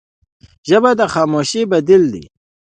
ژبه د خاموشۍ بدیل ده